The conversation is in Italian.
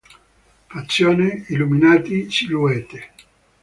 Fazione: Illuminati, Silhouette.